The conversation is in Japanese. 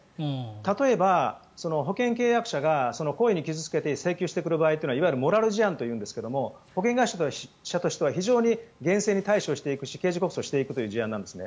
例えば保険契約者が故意に傷付けて請求してくる場合は、いわゆるモラル事案というんですが保険会社としては非常に厳正に対処していくし刑事告訴していく事案です。